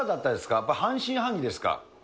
やっぱり半信半疑ですか？